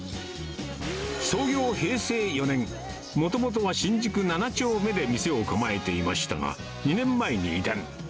創業平成４年、もともとは新宿７丁目で店を構えていましたが、２年前に移転。